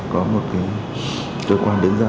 có một cái tối quan đứng ra